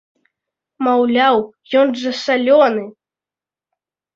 Маўляў, ён жа салёны!